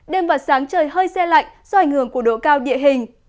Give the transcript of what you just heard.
đêm và sáng trời hơi xe lạnh do ảnh hưởng của độ cao địa hình